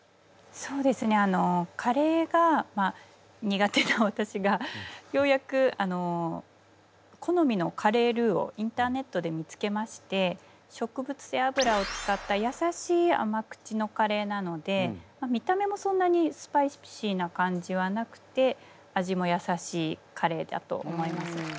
そうですねカレーが苦手な私がようやく好みのカレールウをインターネットで見つけまして植物性油をつかったやさしい甘口のカレーなので見た目もそんなにスパイシーな感じはなくて味もやさしいカレーだと思います。